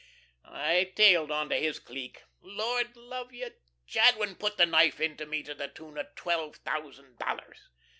I tailed on to his clique. Lord love you! Jadwin put the knife into me to the tune of twelve thousand dollars.